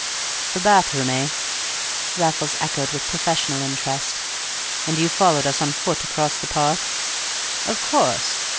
"The bathroom, eh?" Raffles echoed with professional interest. "And you followed us on foot across the park?" "Of course."